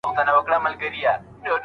څنګه ډاکټره اوږده پاڼه ړنګوي؟